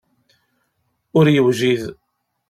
Ur yewjid.